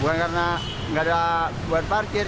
bukan karena tidak ada parkir